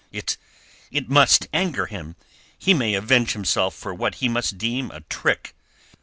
"It... it must anger him. He may avenge himself for what he must deem a trick."